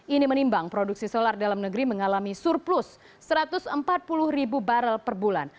ini menimbang produksi solar dalam negeri mengalami surplus satu ratus empat puluh ribu barrel per bulan